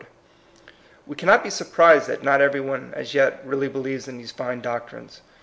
We cannot be surprised that not every one as yet really believes in these fine doc trines.